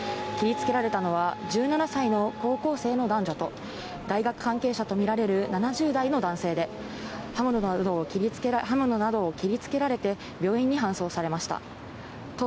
切りつけられたのは１７歳の高校生の男女と大学関係者とみられる７０代の男性で、刃物で切りつけられて、病院に搬送されました。